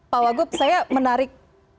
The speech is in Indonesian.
pak wagub saya menarik